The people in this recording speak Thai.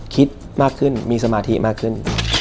คิดมากขึ้นมีสมาธิมากขึ้น